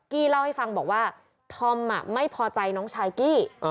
กี้เล่าให้ฟังบอกว่าธอมไม่พอใจน้องชายกี้